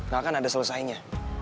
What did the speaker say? gak akan ada selesainya